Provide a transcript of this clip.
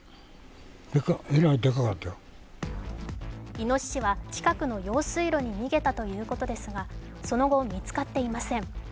イノシシは近くの用水路に逃げたということですがその後、見つかっていません。